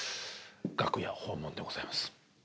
楽屋訪問でございます。